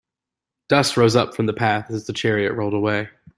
Dust rose up from the path as the chariot rolled away.